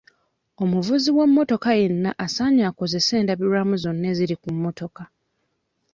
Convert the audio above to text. Omuvuzi w'emmotoka yenna asaanye akozese endabirwamu zonna eziri ku mmotoka.